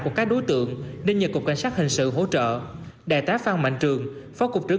của các đối tượng nên nhờ cục cảnh sát hình sự hỗ trợ đại tá phan mạnh trường phó cục trưởng